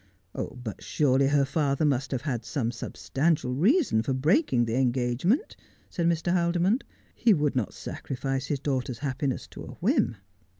' But surely her father must have had some substantial reason for breaking the engagement,' said Mr. Haldimond. ' He would not sacrifice his daughter's happiness to a whim.'